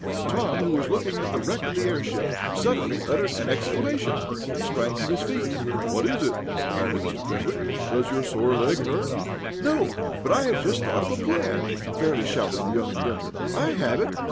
Tom, who was looking at the wreck of the airship, suddenly uttered an exclamation. He sprang to his feet. "What is it?" demanded Mr. Fenwick. "Does your sore leg hurt you?" "No, but I have just thought of a plan!" fairly shouted the young inventor. "I have it!